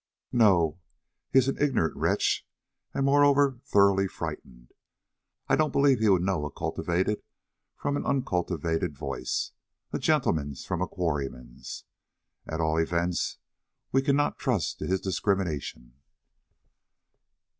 "No; he is an ignorant wretch, and is moreover thoroughly frightened. I don't believe he would know a cultivated from an uncultivated voice, a gentleman's from a quarryman's. At all events, we cannot trust to his discrimination."